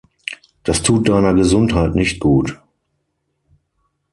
Das tut deiner Gesundheit nicht gut.